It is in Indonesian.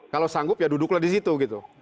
kalau sanggup ya duduklah di situ gitu